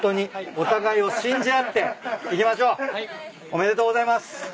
おめでとうございます。